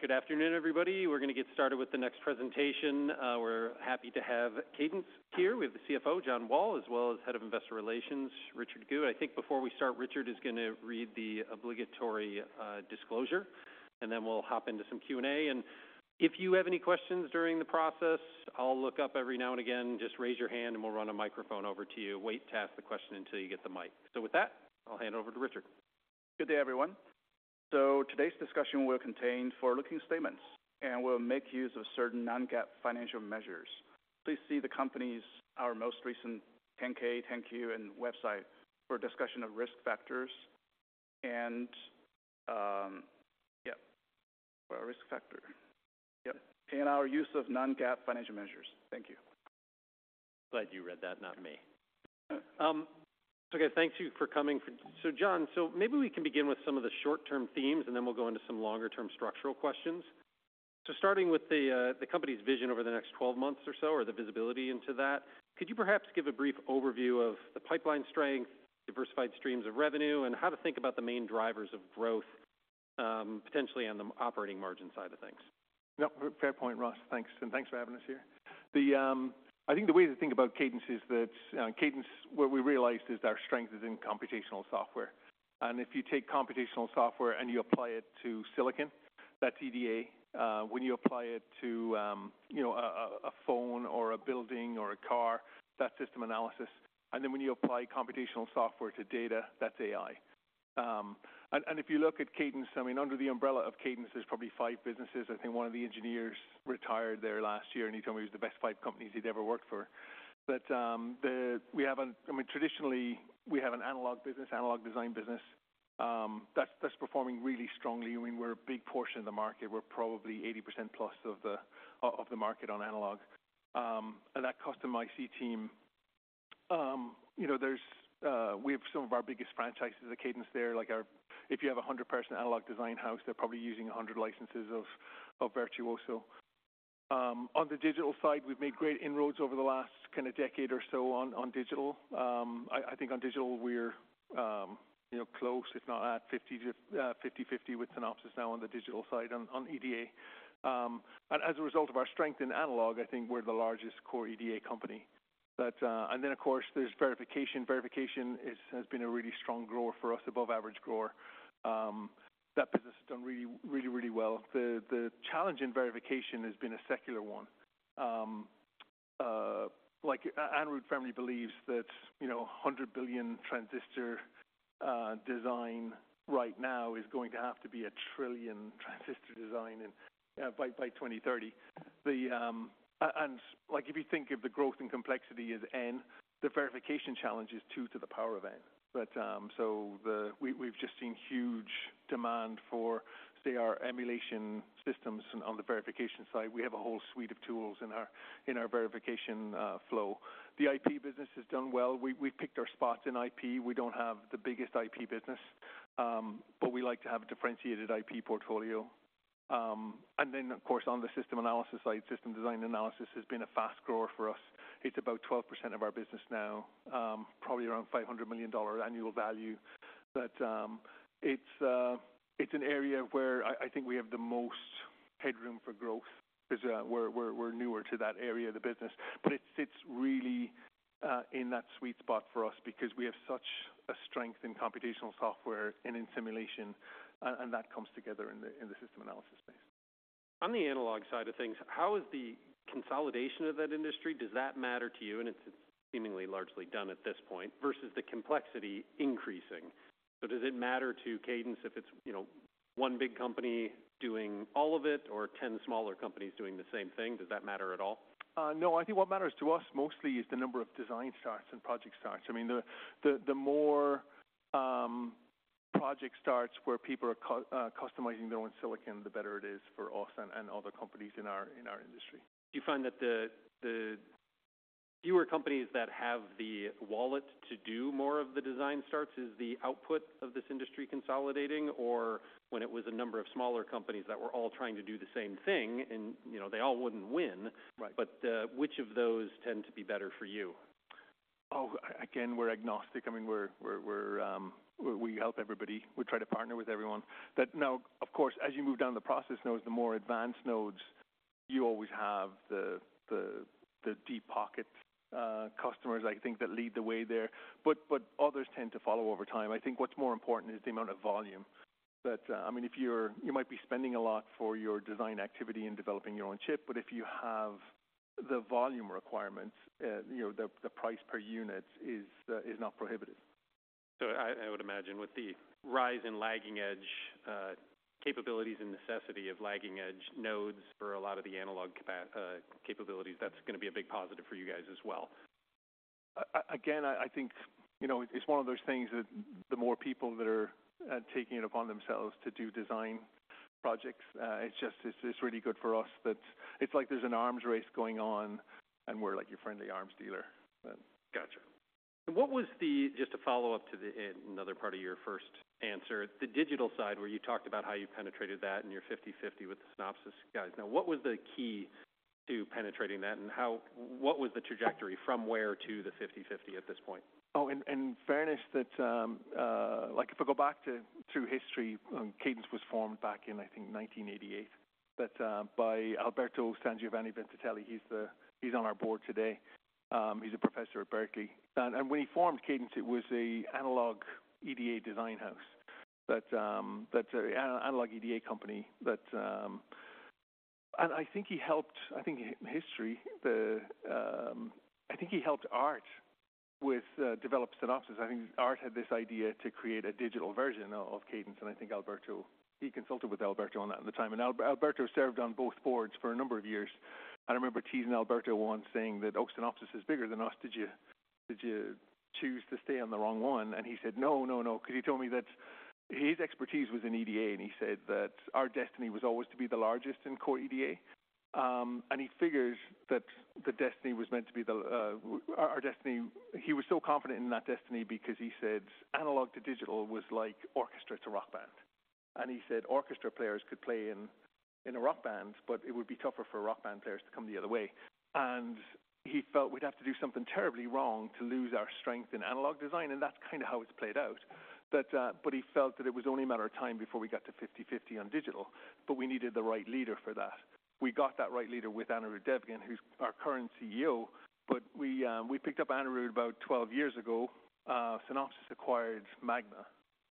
Good afternoon, everybody. We're gonna get started with the next presentation. We're happy to have Cadence here. We have the CFO, John Wall, as well as head of investor relations, Richard Gu. I think before we start, Richard is gonna read the obligatory disclosure, and then we'll hop into some Q&A. And if you have any questions during the process, I'll look up every now and again. Just raise your hand, and we'll run a microphone over to you. Wait to ask the question until you get the mic. So with that, I'll hand it over to Richard. Good day, everyone. So today's discussion will contain forward-looking statements and will make use of certain non-GAAP financial measures. Please see the company's, our most recent 10-K, 10-Q, and website for a discussion of risk factors and, for our risk factor, and our use of non-GAAP financial measures. Thank you. Glad you read that, not me. Okay, thank you for coming. So, John, so maybe we can begin with some of the short-term themes, and then we'll go into some longer-term structural questions. So starting with the company's vision over the next 12 months or so, or the visibility into that, could you perhaps give a brief overview of the pipeline strength, diversified streams of revenue, and how to think about the main drivers of growth, potentially on the operating margin side of things? Yep, fair point, Ross. Thanks, and thanks for having us here. The I think the way to think about Cadence is that Cadence, what we realized is our strength is in computational software. And if you take computational software and you apply it to silicon, that's EDA. When you apply it to you know a phone or a building or a car, that's system analysis, and then when you apply computational software to data, that's AI. And if you look at Cadence, I mean, under the umbrella of Cadence, there's probably five businesses. I think one of the engineers retired there last year, and he told me it was the best five companies he'd ever worked for. But we have a I mean, traditionally, we have an analog business, analog design business. That's performing really strongly. I mean, we're a big portion of the market. We're probably 80% plus of the, of the market on analog. And that custom IC team, you know, there's, we have some of our biggest franchises of Cadence there. Like our-- if you have a 100-person analog design house, they're probably using a 100 licenses of, of Virtuoso. On the digital side, we've made great inroads over the last kind of decade or so on, on digital. I think on digital we're, you know, close, if not at 50/50 with Synopsys now on the digital side on, on EDA. And as a result of our strength in analog, I think we're the largest core EDA company. But... And then, of course, there's verification. Verification has been a really strong grower for us, above average grower. That business has done really, really, really well. The challenge in verification has been a secular one. Like, Jensen Huang believes that, you know, 100 billion transistor design right now is going to have to be a 1 trillion transistor design in by 2030. And like if you think of the growth and complexity as N, the verification challenge is two to the power of N. But, so we've just seen huge demand for, say, our emulation systems on the verification side. We have a whole suite of tools in our verification flow. The IP business has done well. We, we picked our spots in IP. We don't have the biggest IP business, but we like to have a differentiated IP portfolio. And then, of course, on the system analysis side, system design analysis has been a fast grower for us. It's about 12% of our business now, probably around $500 million annual value. But, it's an area where I, I think we have the most headroom for growth 'cause we're newer to that area of the business. But it sits really in that sweet spot for us because we have such a strength in computational software and in simulation, and that comes together in the system analysis space. On the analog side of things, how is the consolidation of that industry? Does that matter to you? It's seemingly largely done at this point versus the complexity increasing. So does it matter to Cadence if it's, you know, one big company doing all of it or 10 smaller companies doing the same thing? Does that matter at all? No. I think what matters to us mostly is the number of design starts and project starts. I mean, the more project starts where people are customizing their own silicon, the better it is for us and other companies in our industry. Do you find that fewer companies that have the wallet to do more of the design starts is the output of this industry consolidating? Or when it was a number of smaller companies that were all trying to do the same thing and, you know, they all wouldn't win- Right. but, which of those tend to be better for you? Oh, again, we're agnostic. I mean, we help everybody. We try to partner with everyone. But now, of course, as you move down the process nodes, the more advanced nodes, you always have the deep pocket customers, I think, that lead the way there, but others tend to follow over time. I think what's more important is the amount of volume. But, I mean, if you're-- you might be spending a lot for your design activity in developing your own chip, but if you have the volume requirements, you know, the price per unit is not prohibitive. So I would imagine with the rise in lagging edge capabilities and necessity of lagging edge nodes for a lot of the analog capabilities, that's gonna be a big positive for you guys as well. Again, I think, you know, it's one of those things that the more people that are taking it upon themselves to do design projects, it's just, it's, it's really good for us. That it's like there's an arms race going on, and we're like your friendly arms dealer. But- Gotcha. What was the— Just to follow up to the, another part of your first answer, the digital side, where you talked about how you penetrated that and you're 50/50 with the Synopsys guys. Now, what was the key?... to penetrating that, and how— what was the trajectory from where to the 50/50 at this point? Oh, in fairness, that like, if I go back through history, Cadence was formed back in, I think, 1988, but by Alberto Sangiovanni-Vincentelli. He's the-- He's on our board today. He's a professor at Berkeley. And when he formed Cadence, it was an analog EDA design house that analog EDA company that. And I think he helped, I think, in history, the, I think he helped Aart with develop Synopsys. I think Aart had this idea to create a digital version of Cadence, and I think Alberto. He consulted with Alberto on that at the time, and Alberto served on both boards for a number of years. I remember teasing Alberto once, saying that, "Oh, Synopsys is bigger than us. Did you, did you choose to stay on the wrong one?" And he said, "No, no, no," because he told me that his expertise was in EDA, and he said that our destiny was always to be the largest in core EDA. And he figures that the destiny was meant to be our destiny. He was so confident in that destiny because he said analog to digital was like orchestra to rock band. And he said orchestra players could play in a rock band, but it would be tougher for rock band players to come the other way. And he felt we'd have to do something terribly wrong to lose our strength in analog design, and that's kind of how it's played out. But he felt that it was only a matter of time before we got to 50/50 on digital, but we needed the right leader for that. We got that right leader with Anirudh Devgan, who's our current CEO. But we picked up Anirudh about 12 years ago. Synopsys acquired Magma,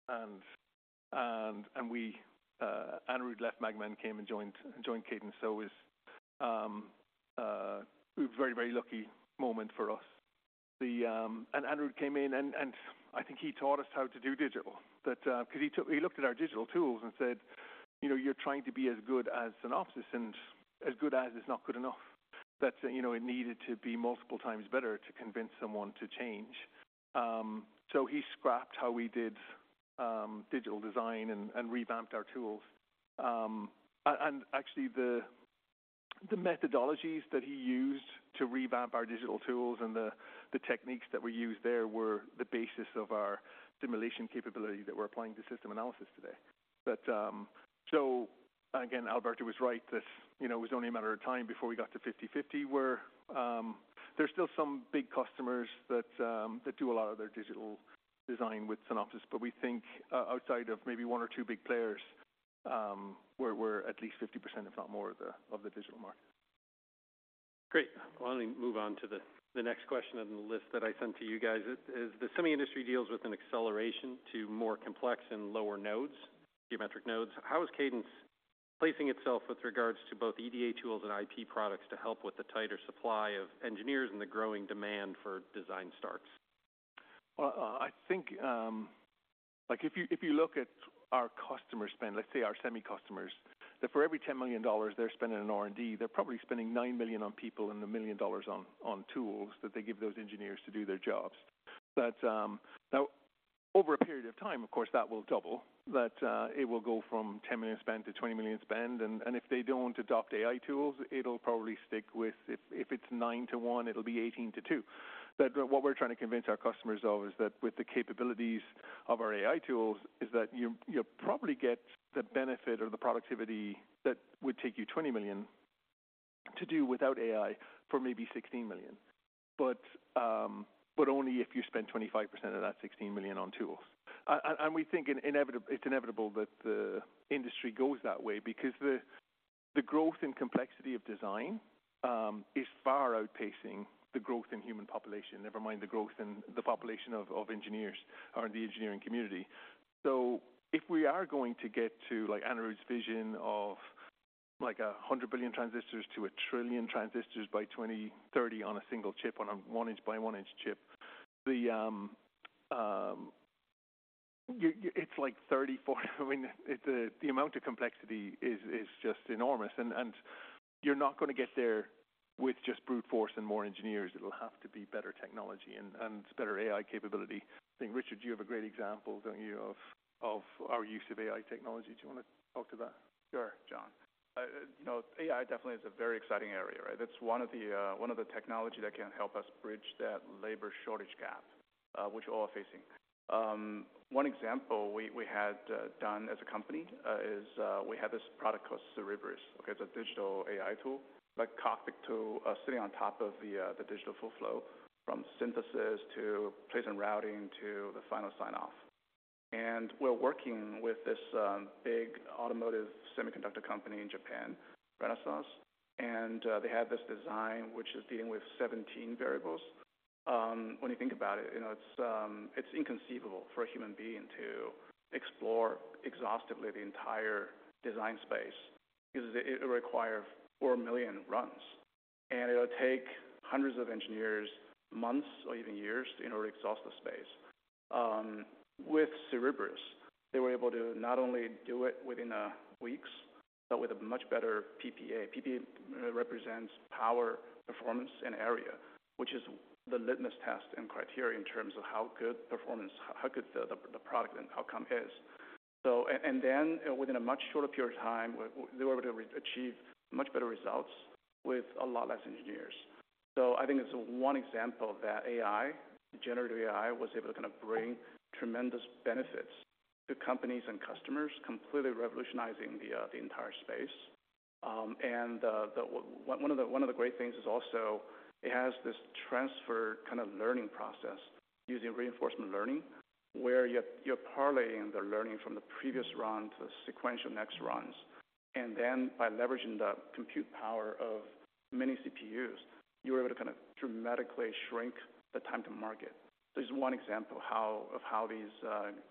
and we, Anirudh left Magma and came and joined Cadence. So it was a very, very lucky moment for us. And Anirudh came in, and I think he taught us how to do digital. But, because he took, he looked at our digital tools and said, "You know, you're trying to be as good as Synopsys, and as good as is not good enough." That, you know, it needed to be multiple times better to convince someone to change. So he scrapped how we did digital design and revamped our tools. And actually, the methodologies that he used to revamp our digital tools and the techniques that were used there were the basis of our simulation capability that we're applying to system analysis today. But so again, Alberto was right that, you know, it was only a matter of time before we got to 50/50, where there's still some big customers that do a lot of their digital design with Synopsys. But we think, outside of maybe one or two big players, we're at least 50%, if not more, of the digital market. Great. Well, let me move on to the next question on the list that I sent to you guys. Is the semi industry deals with an acceleration to more complex and lower nodes, geometric nodes. How is Cadence placing itself with regards to both EDA tools and IP products to help with the tighter supply of engineers and the growing demand for design starts? Well, I think, like, if you, if you look at our customer spend, let's say our semi customers, that for every $10 million they're spending on R&D, they're probably spending $9 million on people and $1 million on tools that they give those engineers to do their jobs. But, now, over a period of time, of course, that will double, that, it will go from $10 million spend to $20 million spend, and, and if they don't adopt AI tools, it'll probably stick with... If, if it's nine to one, it'll be 18 to two. But what we're trying to convince our customers of is that with the capabilities of our AI tools, is that you, you'll probably get the benefit or the productivity that would take you $20 million to do without AI, for maybe $16 million. But only if you spend 25% of that $16 million on tools. And we think it's inevitable that the industry goes that way because the growth and complexity of design is far outpacing the growth in human population, never mind the growth in the population of engineers or the engineering community. So if we are going to get to, like, Anirudh's vision of, like, 100 billion to 1 trillion transistors by 2030 on a single chip, on a 1-inch by 1-inch chip, it's like 30, 40. I mean, the amount of complexity is just enormous, and you're not gonna get there with just brute force and more engineers. It'll have to be better technology and better AI capability. I think, Richard, you have a great example, don't you, of, of our use of AI technology. Do you want to talk to that? Sure, John. You know, AI definitely is a very exciting area, right? That's one of the one of the technology that can help us bridge that labor shortage gap, which we're all facing. One example we, we had done as a company is we have this product called Cerebrus, okay? It's a digital AI tool, like optimization tool, sitting on top of the the digital full flow, from synthesis to place and routing to the final sign-off. And we're working with this big automotive semiconductor company in Japan, Renesas, and they had this design, which is dealing with 17 variables. When you think about it, you know, it's inconceivable for a human being to explore exhaustively the entire design space because it would require 4 million runs, and it'll take hundreds of engineers months or even years to, you know, exhaust the space. With Cerebrus, they were able to not only do it within weeks, but with a much better PPA. PPA represents power, performance, and area, which is the litmus test and criteria in terms of how good performance, how good the product and outcome is. So... then, within a much shorter period of time, they were able to achieve much better results with a lot less engineers.... So I think it's one example of that AI, generative AI, was able to kind of bring tremendous benefits to companies and customers, completely revolutionizing the entire space. And one of the great things is also it has this transfer kind of learning process using reinforcement learning, where you're parlaying the learning from the previous run to the sequential next runs. And then by leveraging the compute power of many CPUs, you're able to kind of dramatically shrink the time to market. This is one example how of how these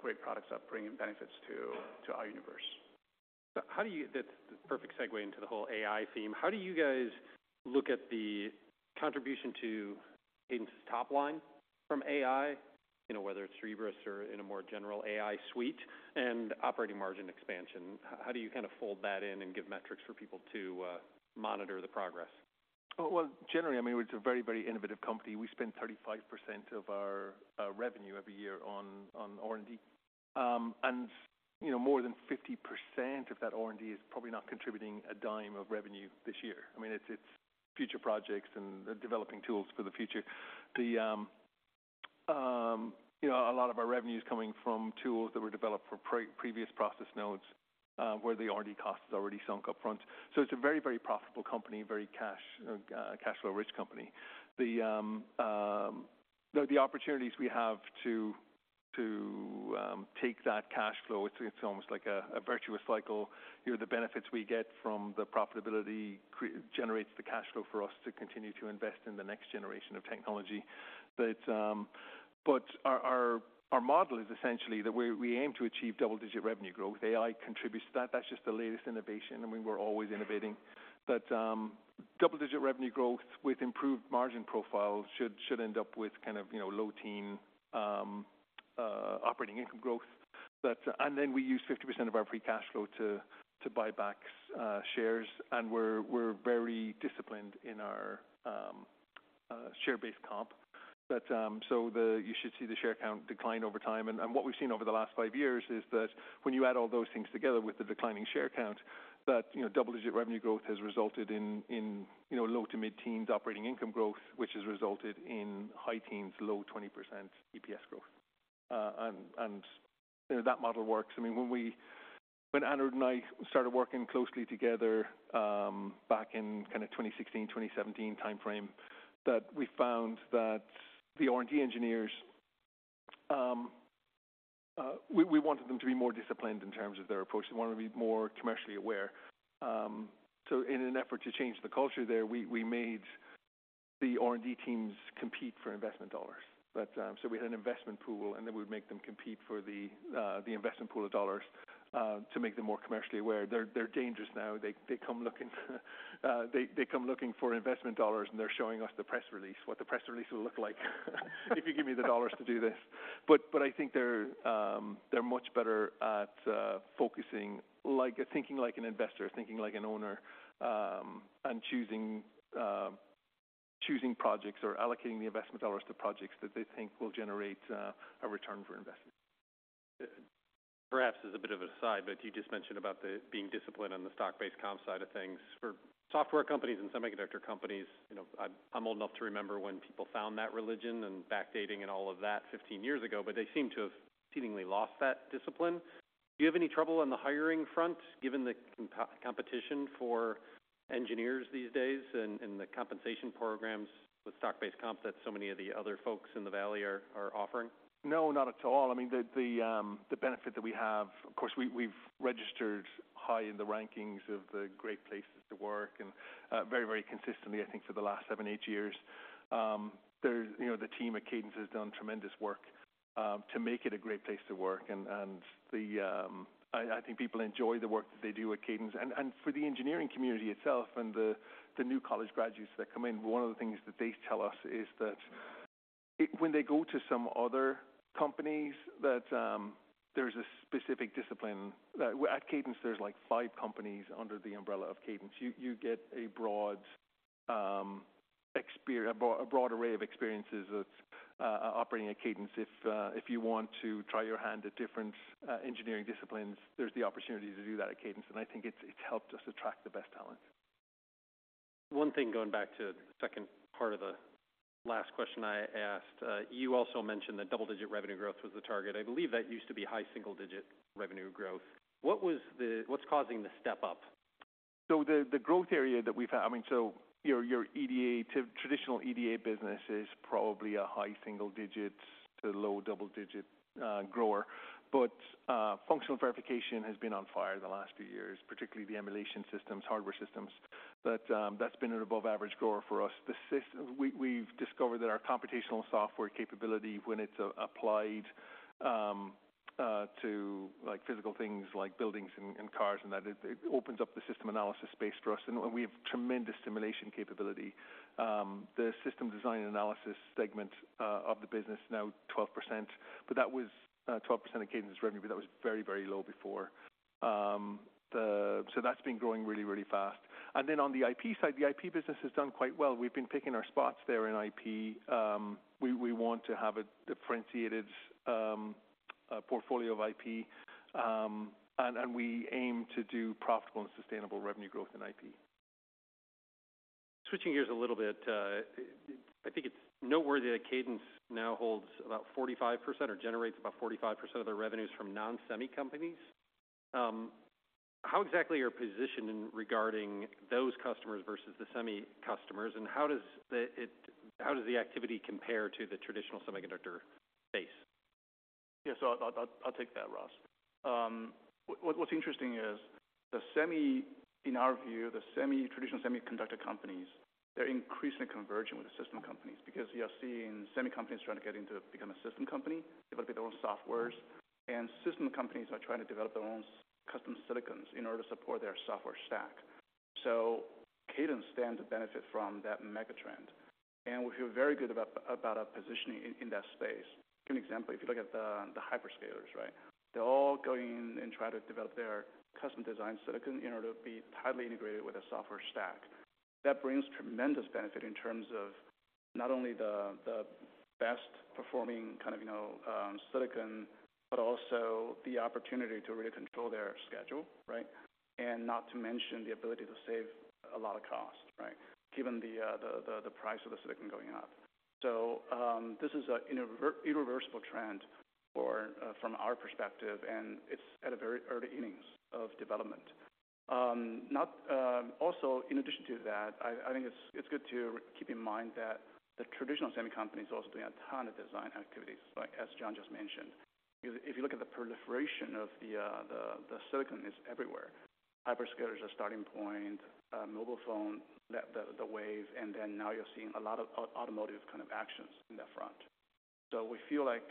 great products are bringing benefits to our universe. How do you... That's the perfect segue into the whole AI theme. How do you guys look at the contribution to Cadence's top line from AI? You know, whether it's Cerebrus or in a more general AI suite and operating margin expansion. How do you kind of fold that in and give metrics for people to monitor the progress? Well, generally, I mean, it's a very, very innovative company. We spend 35% of our revenue every year on R&D. And, you know, more than 50% of that R&D is probably not contributing a dime of revenue this year. I mean, it's future projects and developing tools for the future. You know, a lot of our revenue is coming from tools that were developed for previous process nodes, where the R&D cost is already sunk up front. So it's a very, very profitable company, very cash flow rich company. The opportunities we have to take that cash flow, it's almost like a virtuous cycle. You know, the benefits we get from the profitability generates the cash flow for us to continue to invest in the next generation of technology. But, but our model is essentially that we aim to achieve double-digit revenue growth. AI contributes to that. That's just the latest innovation, and we're always innovating. But, double-digit revenue growth with improved margin profiles should end up with kind of, you know, low teens operating income growth. But, and then we use 50% of our free cash flow to buy back shares, and we're very disciplined in our share-based comp. But, so the... you should see the share count decline over time. What we've seen over the last 5 years is that when you add all those things together with the declining share count, that, you know, double-digit revenue growth has resulted in, you know, low- to mid-teens operating income growth, which has resulted in high teens, low 20% EPS growth. You know, that model works. I mean, when Anirudh and I started working closely together, back in kind of 2016, 2017 timeframe, that we found that the R&D engineers, we wanted them to be more disciplined in terms of their approach. We wanted to be more commercially aware. So in an effort to change the culture there, we made the R&D teams compete for investment dollars. But, so we had an investment pool, and then we'd make them compete for the investment pool of dollars to make them more commercially aware. They're dangerous now. They come looking for investment dollars, and they're showing us the press release, what the press release will look like, if you give me the dollars to do this. But I think they're much better at focusing, like thinking like an investor, thinking like an owner, and choosing projects or allocating the investment dollars to projects that they think will generate a return for investment. Perhaps as a bit of an aside, but you just mentioned about being disciplined on the stock-based comp side of things. For software companies and semiconductor companies, you know, I'm old enough to remember when people found that religion and backdating and all of that 15 years ago, but they seem to have seemingly lost that discipline. Do you have any trouble on the hiring front, given the competition for engineers these days and the compensation programs with stock-based comp that so many of the other folks in the valley are offering? No, not at all. I mean, the benefit that we have, of course, we've registered high in the rankings of the great places to work and very, very consistently, I think for the last 7, 8 years. There's, you know, the team at Cadence has done tremendous work to make it a great place to work. And the, I think people enjoy the work that they do at Cadence. And for the engineering community itself and the new college graduates that come in, one of the things that they tell us is that it- when they go to some other companies, that there's a specific discipline. That, at Cadence, there's like 5 companies under the umbrella of Cadence. You get a broad exper- a broad array of experiences that's operating at Cadence. If, if you want to try your hand at different engineering disciplines, there's the opportunity to do that at Cadence, and I think it's helped us attract the best talent. One thing, going back to the second part of the last question I asked, you also mentioned that double-digit revenue growth was the target. I believe that used to be high single-digit revenue growth. What's causing the step up? So the growth area that we've had, I mean, so your EDA to traditional EDA business is probably a high single digit to low double digit grower. But functional verification has been on fire the last few years, particularly the emulation systems, hardware systems. But that's been an above average grower for us. We've discovered that our computational software capability, when it's applied to, like, physical things like buildings and cars, and that it opens up the system analysis space for us, and we have tremendous simulation capability. The system design analysis segment of the business, now 12%, but that was 12% of Cadence's revenue, but that was very, very low before. So that's been growing really, really fast. And then on the IP side, the IP business has done quite well. We've been picking our spots there in IP. We want to have a differentiated portfolio of IP, and we aim to do profitable and sustainable revenue growth in IP. Switching gears a little bit, I think it's noteworthy that Cadence now holds about 45% or generates about 45% of their revenues from non-semi companies. How exactly are you positioned in regarding those customers versus the semi customers, and how does the activity compare to the traditional semiconductor base? Yeah, so I'll take that, Ross. What's interesting is the semi, in our view, the semi-traditional semiconductor companies, they're increasingly converging with the system companies because you are seeing semi companies trying to get into become a system company, develop their own softwares, and system companies are trying to develop their own custom silicons in order to support their software stack. So Cadence stands to benefit from that mega trend, and we feel very good about our positioning in that space. Give an example, if you look at the hyperscalers, right? They're all going in and try to develop their custom design silicon in order to be tightly integrated with a software stack. That brings tremendous benefit in terms of not only the best performing kind of, you know, silicon, but also the opportunity to really control their schedule, right? Not to mention the ability to save a lot of cost, right? Given the price of the silicon going up. So, this is an irreversible trend for, from our perspective, and it's at a very early innings of development. Also, in addition to that, I think it's good to keep in mind that the traditional semi companies are also doing a ton of design activities, like as John just mentioned. If you look at the proliferation of the silicon is everywhere. Hyperscalers are starting point, mobile phone, the waves, and then now you're seeing a lot of automotive kind of actions in that front. So we feel like,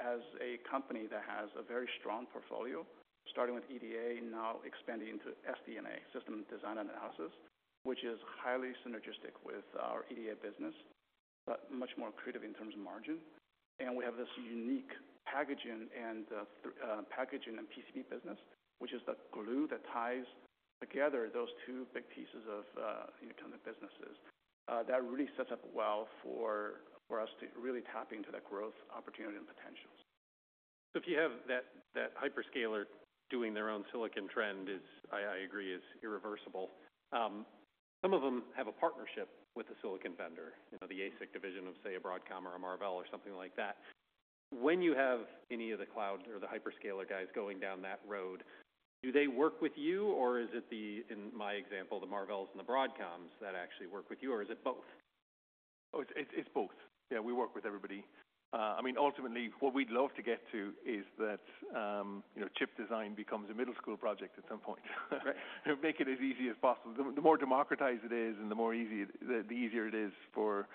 as a company that has a very strong portfolio, starting with EDA, now expanding into SD&A, System Design Analysis, which is highly synergistic with our EDA business, but much more accretive in terms of margin. And we have this unique packaging and, packaging and PCB business, which is the glue that ties together those two big pieces of, you know, kind of businesses. That really sets up well for us to really tap into that growth opportunity and potentials. So if you have that, that hyperscaler doing their own silicon trend is, I agree, is irreversible. Some of them have a partnership with the silicon vendor, you know, the ASIC division of, say, a Broadcom or a Marvell or something like that. When you have any of the cloud or the hyperscaler guys going down that road, do they work with you, or is it the, in my example, the Marvells and the Broadcoms that actually work with you, or is it both? Oh, it's, it's both. Yeah, we work with everybody. I mean, ultimately, what we'd love to get to is that, you know, chip design becomes a middle school project at some point. Right. Make it as easy as possible. The more democratized it is, and the more easy it is, the easier it is for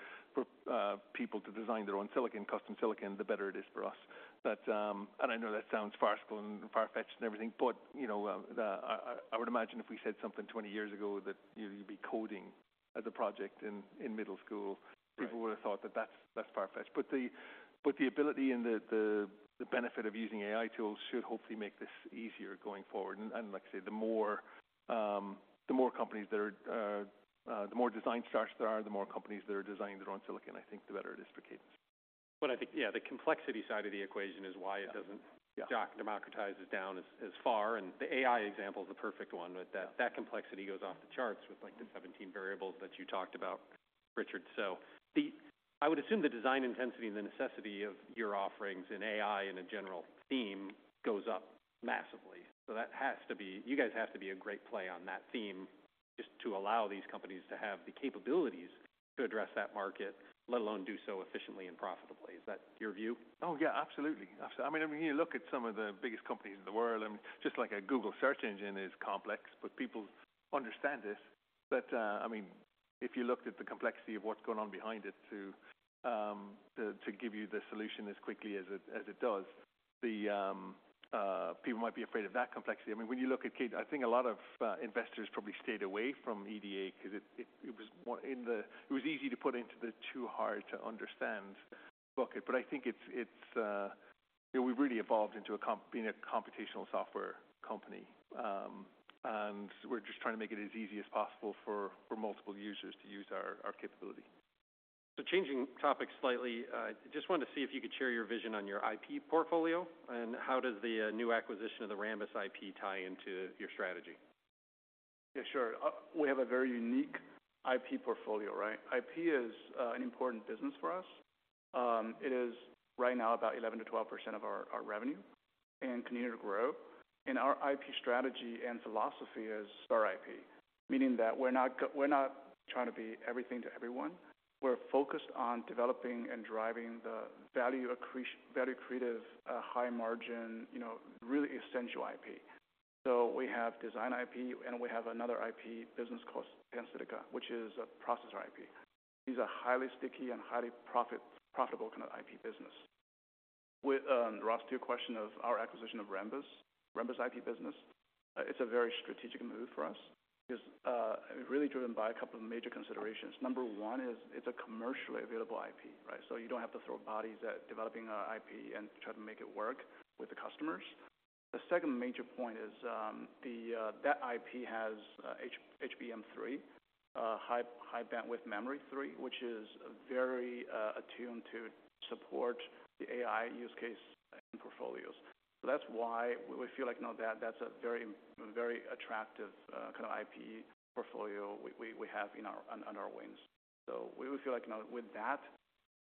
people to design their own silicon, custom silicon, the better it is for us. But, and I know that sounds farcical and far-fetched and everything, but, you know, I would imagine if we said something 20 years ago that you'd be coding as a project in middle school- Right. People would have thought that that's far-fetched. But the ability and the benefit of using AI tools should hopefully make this easier going forward. And like I say, the more, the more companies there are, the more design starts there are, the more companies that are designing their own silicon, I think the better it is for Cadence. But I think, yeah, the complexity side of the equation is why it doesn't- Yeah. Democratize it down as far, and the AI example is the perfect one. Yeah. That complexity goes off the charts with, like, the 17 variables that you talked about, Richard. So I would assume the design intensity and the necessity of your offerings in AI and a general theme goes up massively. So that has to be... You guys have to be a great play on that theme just to allow these companies to have the capabilities to address that market, let alone do so efficiently and profitably. Is that your view? Oh, yeah, absolutely. I mean, when you look at some of the biggest companies in the world, I mean, just like a Google search engine is complex, but people understand it. But, I mean, if you looked at the complexity of what's going on behind it to, to, to give you the solution as quickly as it, as it does, the, people might be afraid of that complexity. I mean, when you look at Cadence, I think a lot of investors probably stayed away from EDA because it, it, it was more in the... It was easy to put into the too hard to understand bucket. But I think it's, it's, you know, we've really evolved into being a computational software company. And we're just trying to make it as easy as possible for multiple users to use our capability. So changing topics slightly, just wanted to see if you could share your vision on your IP portfolio, and how does the new acquisition of the Rambus IP tie into your strategy? Yeah, sure. We have a very unique IP portfolio, right? IP is an important business for us. It is right now about 11%-12% of our revenue and continue to grow. Our IP strategy and philosophy is our IP, meaning that we're not trying to be everything to everyone. We're focused on developing and driving the value accretive, high margin, you know, really essential IP. So we have design IP, and we have another IP business called Tensilica, which is a processor IP. These are highly sticky and highly profitable kind of IP business. With Ross, to your question of our acquisition of Rambus IP business, it's a very strategic move for us. It's really driven by a couple of major considerations. Number one is it's a commercially available IP, right? So you don't have to throw bodies at developing our IP and try to make it work with the customers. The second major point is, that IP has HBM3, high bandwidth memory three, which is very attuned to support the AI use case and portfolios. That's why we feel like, you know, that, that's a very, very attractive kind of IP portfolio we, we, we have in our, on, on our wings. So we would feel like, you know, with that,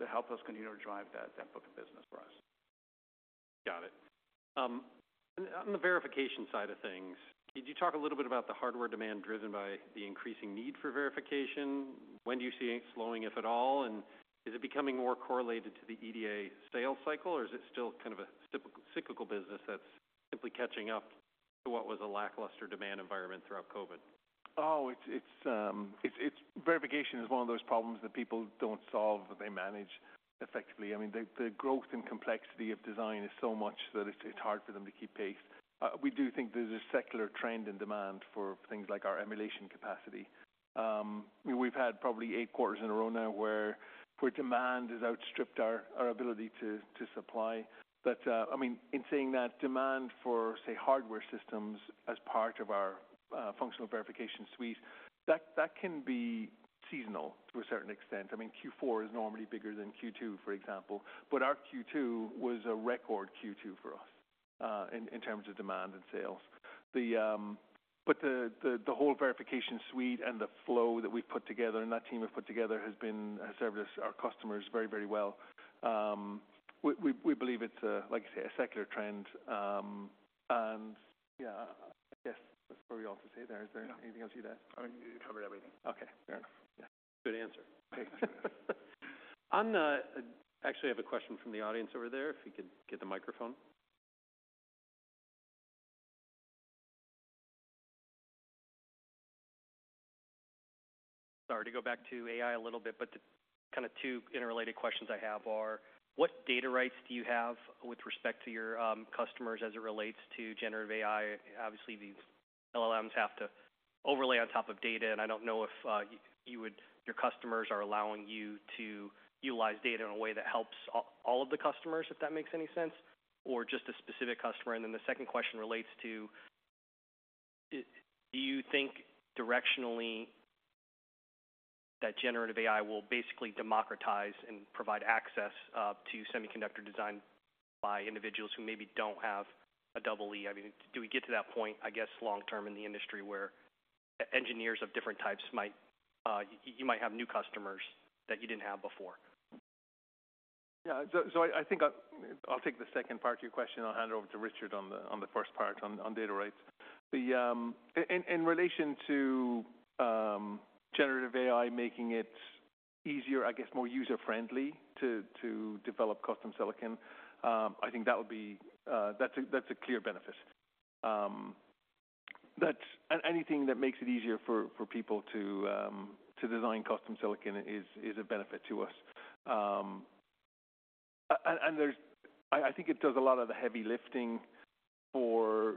to help us continue to drive that, that book of business for us. Got it. On the verification side of things, could you talk a little bit about the hardware demand driven by the increasing need for verification? When do you see it slowing, if at all, and is it becoming more correlated to the EDA sales cycle, or is it still kind of a cyclical business that's simply catching up to what was a lackluster demand environment throughout COVID? Oh, it's verification is one of those problems that people don't solve, but they manage effectively. I mean, the growth and complexity of design is so much that it's hard for them to keep pace. We do think there's a secular trend in demand for things like our emulation capacity. We've had probably eight quarters in a row now where demand has outstripped our ability to supply. But, I mean, in saying that, demand for, say, hardware systems as part of our functional verification suite, that can be seasonal to a certain extent. I mean, Q4 is normally bigger than Q2, for example, but our Q2 was a record Q2 for us, in terms of demand and sales. But the whole verification suite and the flow that we've put together, and that team have put together, has served us, our customers very, very well. We believe it's a, like I say, a secular trend. And yeah, I guess that's what we all to say there. Is there anything else you'd ask? I mean, you covered everything. Okay, fair enough. Yeah. Good answer. Actually, I have a question from the audience over there, if we could get the microphone. Sorry, to go back to AI a little bit, but the kind of two interrelated questions I have are: What data rights do you have with respect to your customers as it relates to generative AI? Obviously, these LLMs have to overlay on top of data, and I don't know if your customers are allowing you to utilize data in a way that helps all, all of the customers, if that makes any sense, or just a specific customer. And then the second question relates to, do you think directionally that generative AI will basically democratize and provide access to semiconductor design by individuals who maybe don't have a double E? I mean, do we get to that point, I guess, long-term in the industry, where engineers of different types might you might have new customers that you didn't have before? Yeah, so I think I'll take the second part to your question. I'll hand it over to Richard on the first part on data rights. In relation to generative AI making it easier, I guess, more user-friendly to develop custom silicon, I think that would be that's a clear benefit. That's anything that makes it easier for people to design custom silicon is a benefit to us. And there's I think it does a lot of the heavy lifting for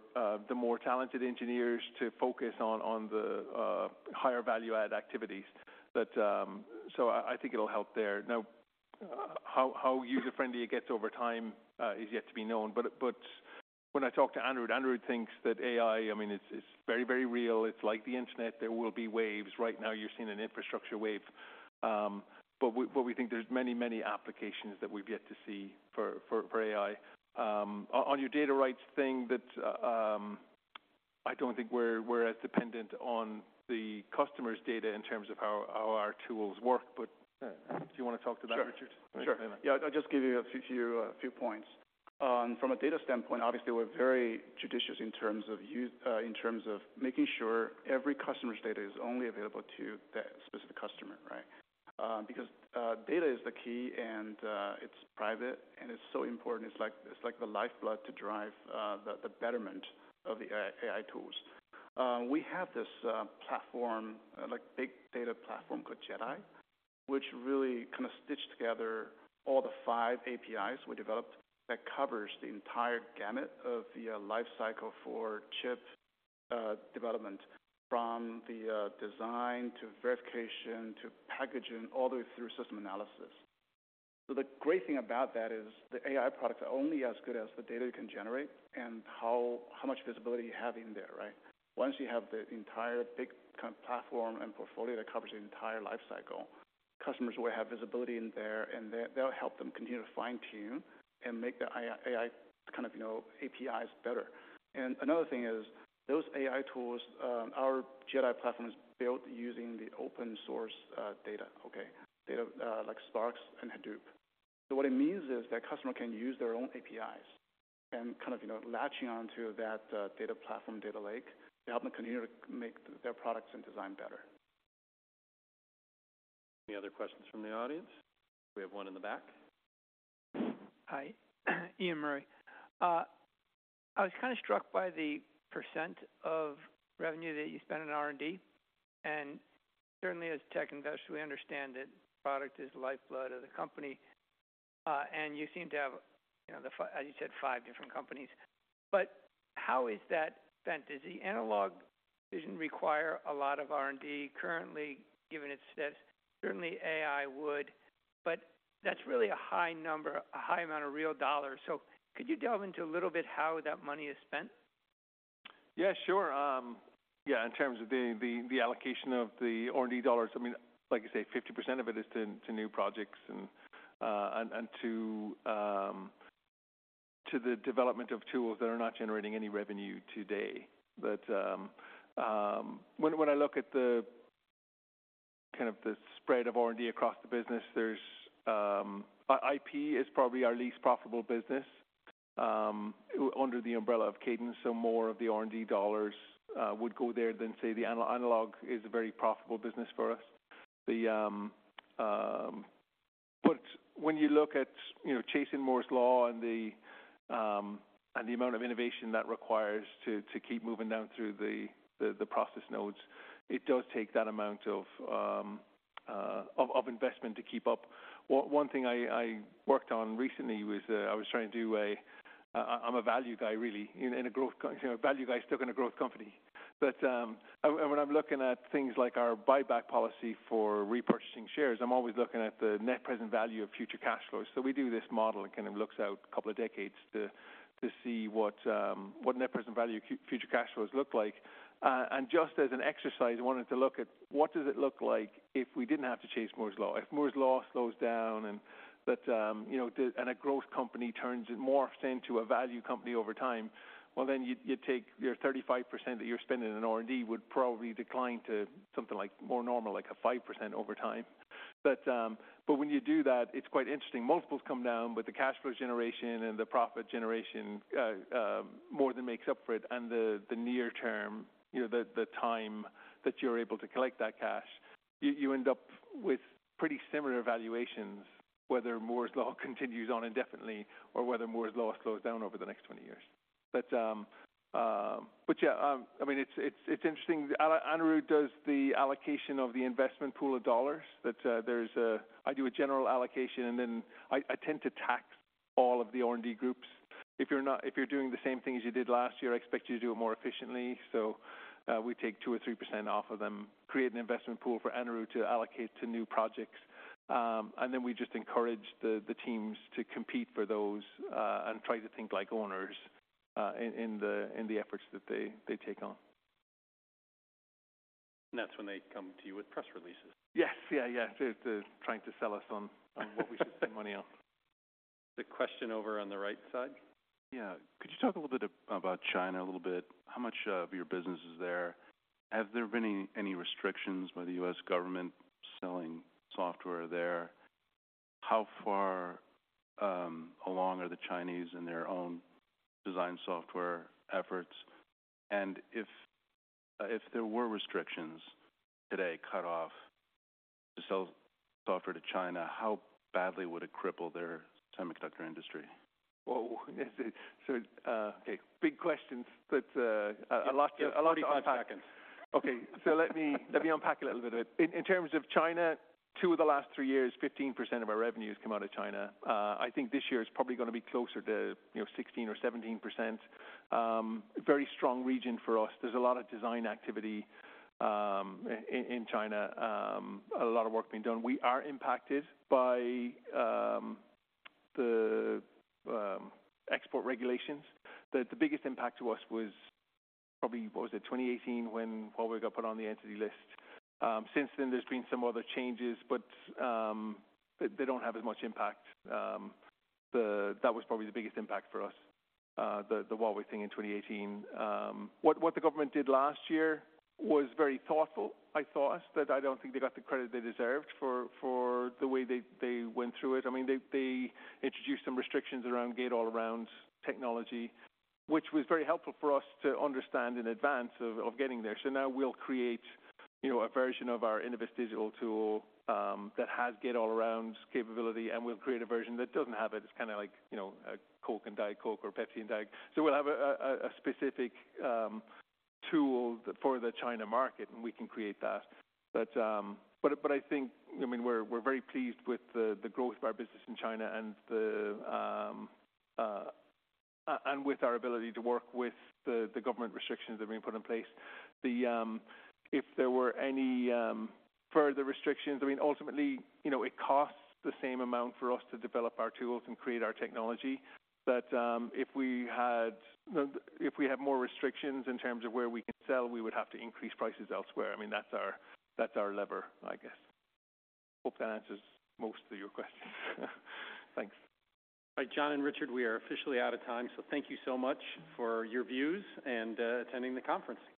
the more talented engineers to focus on the higher value add activities. But so I think it'll help there. Now how user-friendly it gets over time is yet to be known. But when I talk to Anirudh and he thinks that AI, I mean, it's very, very real. It's like the internet. There will be waves. Right now you're seeing an infrastructure wave. But we think there's many, many applications that we've yet to see for AI. On your data rights thing, I don't think we're as dependent on the customer's data in terms of how our tools work. But do you want to talk about that, Richard? Sure. Sure. Yeah, I'll just give you a few points. From a data standpoint, obviously, we're very judicious in terms of use in terms of making sure every customer's data is only available to that specific customer, right? Because data is the key, and it's private, and it's so important. It's like, it's like the lifeblood to drive the betterment of the AI, AI tools. We have this platform, like big data platform called JedAI, which really kind of stitch together all the five APIs we developed that covers the entire gamut of the life cycle for chip development, from the design, to verification, to packaging, all the way through system analysis. So the great thing about that is the AI products are only as good as the data you can generate and how much visibility you have in there, right? Once you have the entire big kind of platform and portfolio that covers the entire life cycle, customers will have visibility in there, and they'll help them continue to fine-tune and make the AI kind of, you know, APIs better. And another thing is, those AI tools, our JedAI platform is built using the open source data like Spark and Hadoop. So what it means is that customer can use their own APIs and kind of, you know, latching onto that data platform, data lake, to help them continue to make their products and design better. Any other questions from the audience? We have one in the back. Hi. Ian Murray. I was kind of struck by the percent of revenue that you spend on R&D, and certainly as tech investors, we understand that product is the lifeblood of the company. And you seem to have, you know, the five different companies, as you said. But how is that spent? Is the analog... doesn't require a lot of R&D currently, given its status. Certainly, AI would, but that's really a high number, a high amount of real dollars. So could you delve into a little bit how that money is spent? Yeah, sure. Yeah, in terms of the allocation of the R&D dollars, I mean, like I say, 50% of it is to new projects and to the development of tools that are not generating any revenue today. But when I look at the spread of R&D across the business, there's IP is probably our least profitable business under the umbrella of Cadence, so more of the R&D dollars would go there than, say, analog is a very profitable business for us. But when you look at, you know, chasing Moore's Law and the amount of innovation that requires to keep moving down through the process nodes, it does take that amount of investment to keep up. One thing I worked on recently was I was trying to do a. I'm a value guy, really, in a growth company, a value guy stuck in a growth company. But, and when I'm looking at things like our buyback policy for repurchasing shares, I'm always looking at the net present value of future cash flows. So we do this model that kind of looks out a couple of decades to see what net present value future cash flows look like. And just as an exercise, I wanted to look at what does it look like if we didn't have to chase Moore's Law? If Moore's Law slows down and that, you know, the- and a growth company turns it, morphs into a value company over time, well, then you'd take your 35% that you're spending on R&D would probably decline to something like more normal, like a 5% over time. But, but when you do that, it's quite interesting. Multiples come down, but the cash flow generation and the profit generation, more than makes up for it and the near term, you know, the time that you're able to collect that cash, you end up with pretty similar valuations, whether Moore's Law continues on indefinitely or whether Moore's Law slows down over the next 20 years. But, but yeah, I mean, it's interesting. Anirudh does the allocation of the investment pool of dollars, but there's a... I do a general allocation, and then I tend to tax all of the R&D groups. If you're doing the same thing as you did last year, I expect you to do it more efficiently. So, we take 2% or 3% off of them, create an investment pool for Anirudh to allocate to new projects. And then we just encourage the teams to compete for those, and try to think like owners, in the efforts that they take on. That's when they come to you with press releases. Yes. Yeah, yeah. They're trying to sell us on what we should spend money on. The question over on the right side. Yeah. Could you talk a little bit about China a little bit? How much of your business is there? Have there been any restrictions by the U.S. government selling software there? How far along are the Chinese in their own design software efforts? And if there were restrictions today, cut off to sell software to China, how badly would it cripple their semiconductor industry? Whoa! So, okay, big questions, but a lot to unpack. You have 35 seconds. Okay, so let me unpack a little bit. In terms of China, two of the last three years, 15% of our revenues come out of China. I think this year it's probably gonna be closer to, you know, 16% or 17%. Very strong region for us. There's a lot of design activity in China, a lot of work being done. We are impacted by the export regulations. The biggest impact to us was probably, what was it? 2018, when Huawei got put on the entity list. Since then, there's been some other changes, but they don't have as much impact. That was probably the biggest impact for us, the Huawei thing in 2018. What the government did last year was very thoughtful. I thought that I don't think they got the credit they deserved for the way they went through it. I mean, they introduced some restrictions around gate-all-around technology, which was very helpful for us to understand in advance of getting there. So now we'll create, you know, a version of our Innovus Digital tool that has gate-all-around capability, and we'll create a version that doesn't have it. It's kind of like, you know, a Coke and Diet Coke or Pepsi and Diet. So we'll have a specific tool for the China market, and we can create that. But I think I mean, we're very pleased with the growth of our business in China and with our ability to work with the government restrictions that have been put in place. If there were any further restrictions, I mean, ultimately, you know, it costs the same amount for us to develop our tools and create our technology. But, if we had more restrictions in terms of where we can sell, we would have to increase prices elsewhere. I mean, that's our lever, I guess. Hope that answers most of your questions. Thanks. All right, John and Richard, we are officially out of time, so thank you so much for your views and attending the conference.